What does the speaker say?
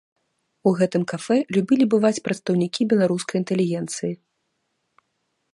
У гэтым кафэ любілі бываць прадстаўнікі беларускай інтэлігенцыі.